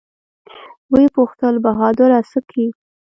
ويې پوښتل بهادره سه کې.